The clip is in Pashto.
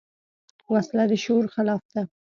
وسله د شعور خلاف ده